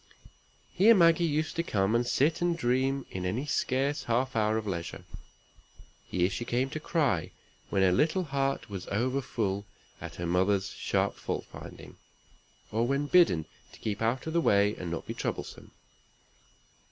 Here Maggie used to come and sit and dream in any scarce half hour of leisure. Here she came to cry, when her little heart was overfull at her mother's sharp fault finding, or when bidden to keep out of the way, and not be troublesome.